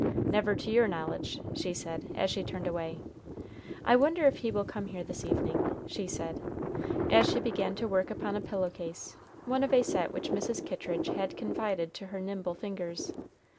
"Never to your knowledge," she said, as she turned away. "I wonder if he will come here this evening," she said, as she began to work upon a pillow case, one of a set which Mrs. Kittridge had confided to her nimble fingers.